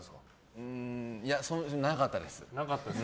なかったです。